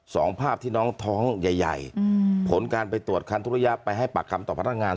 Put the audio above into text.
ภาพที่น้องท้องใหญ่ผลการไปตรวจคันทุกระยะไปให้ปากคำต่อพนักงาน